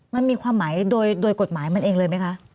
มันมีความหมายโดยกฎหมายมันเองเลยไหมคะ